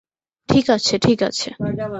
ঠিক আছে, ঠিক আছে।